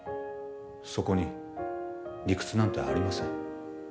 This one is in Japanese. そこに理屈なんてありません